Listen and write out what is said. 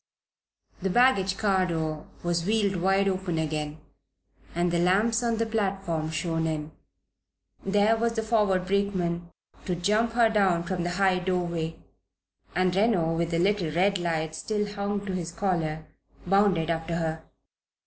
The baggage car door was wheeled wide open again and the lamps on the platform shone in. There was the forward brakeman to "jump" her down from the high doorway, and Reno, with the little red light still hung to his collar, bounded after her.